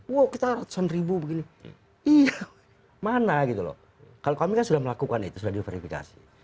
wow kita ratusan ribu begini iya mana gitu loh kalau kami kan sudah melakukan itu sudah diverifikasi